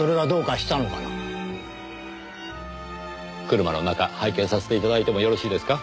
車の中拝見させて頂いてもよろしいですか？